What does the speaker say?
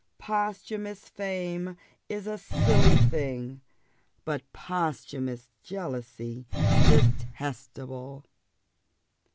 Posthumous fame is a silly thing, but posthumous jealousy detestable."